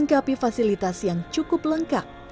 melengkapi fasilitas yang cukup lengkap